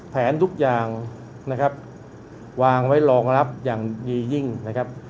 แผนทุกอย่างนะครับวางไว้รองรับอย่างดียิ่งนะครับ